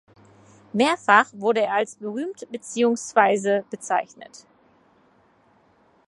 Mehrfach wurde er als berühmt beziehungsweise bezeichnet.